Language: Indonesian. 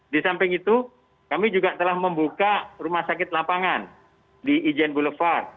di samping itu kami juga telah membuka rumah sakit lapangan di ijen boulevard